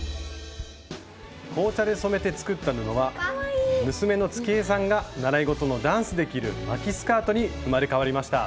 紅茶で染めて作った布は娘の月絵さんが習い事のダンスで着る「巻きスカート」に生まれ変わりました。